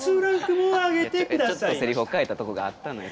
ちょっとせりふを変えたとこがあったのよ